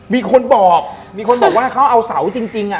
มีคนบอกมีคนบอกว่าเขาเอาเสาจริงอ่ะ